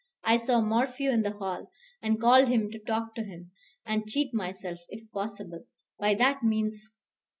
I saw Morphew in the hall, and called him to talk to him, and cheat myself, if possible, by that means.